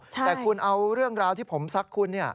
แต่คุณเอาเรื่องราวที่ผมซักคุณ